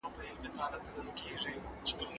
مهارت لرونکو کارګرانو هيواد پريښی و.